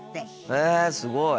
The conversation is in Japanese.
へえすごい！